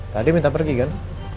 tadi minta pergi kan